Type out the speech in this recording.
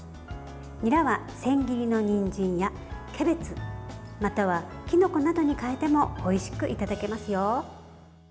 にらは千切りのにんじんやキャベツ、またはきのこなどに代えてもおいしくいただけますよ。